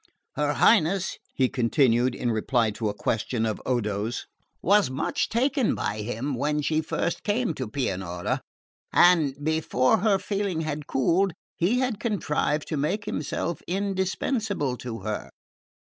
Her Highness," he continued, in reply to a question of Odo's, "was much taken by him when she first came to Pianura; and before her feeling had cooled he had contrived to make himself indispensable to her.